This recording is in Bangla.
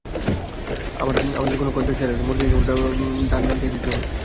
আবার কোনো খদ্দেরের চাহিদা ছিল—মুরগির কেবল ডান রানটাই দিতে হবে তাঁকে।